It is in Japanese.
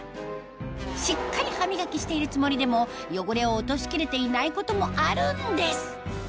しっかり歯磨きしているつもりでも汚れを落とし切れていないこともあるんです